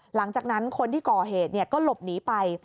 หลังจากนั้นคนที่ก่อเหตุก็หลบหนีไป